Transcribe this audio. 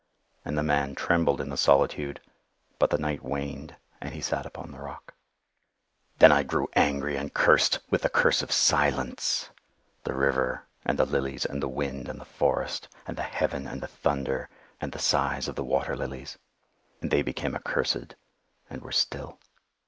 And the man trembled in the solitude;—but the night waned and he sat upon the rock. "Then I grew angry and cursed, with the curse of silence, the river, and the lilies, and the wind, and the forest, and the heaven, and the thunder, and the sighs of the water lilies. And they became accursed, and were still.